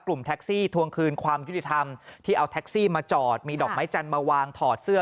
แท็กซี่ทวงคืนความยุติธรรมที่เอาแท็กซี่มาจอดมีดอกไม้จันทร์มาวางถอดเสื้อ